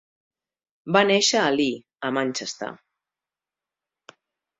Va néixer a Leigh, a Manchester